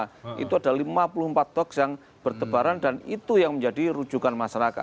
jadi kita sudah melakukan lima puluh empat hoax yang berdebaran dan itu yang menjadi rujukan masyarakat